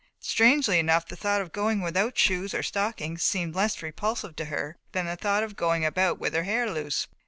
Strangely enough the thought of going about without shoes or stockings seemed less repulsive to her than the thought of going about with her hair loose.